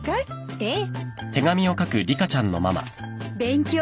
ええ。